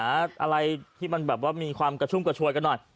อะไรที่มันแบบว่ามีความกระชุ่มกระชวยกันหน่อย